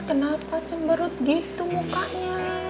kenapa cemberut gitu mukanya